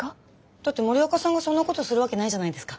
だって森若さんがそんなことするわけないじゃないですか。